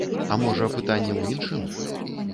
А можа, пытанне ў іншым?